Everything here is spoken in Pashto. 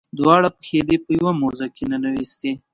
دواړه پښې دې په یوه موزه کې ننویستې.